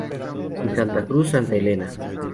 En Santa Cruz, Santa Elena.